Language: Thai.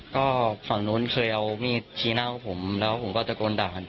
ก็ฝั่งนู้นเคยเอามีชีนากับผมแล้วผมก็ตะโกนด่าทันไปครับ